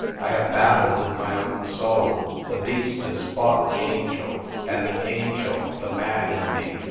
I have battled with my own soul. The beast has fought the angel and the angel the man in me.